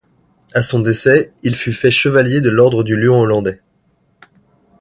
À son décès, il fut fait chevalier de l'Ordre du lion hollandais.